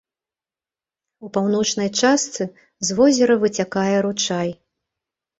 У паўночнай частцы з возера выцякае ручай.